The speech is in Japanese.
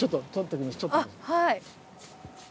はい。